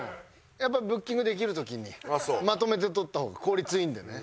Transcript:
やっぱブッキングできる時にまとめて撮った方が効率いいんでね。